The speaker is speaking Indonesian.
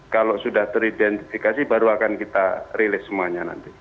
kalau sudah teridentifikasi baru akan kita rilis semuanya nanti